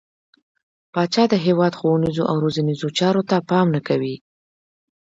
پاچا د هيواد ښونيرو او روزنيزو چارو ته پام نه کوي.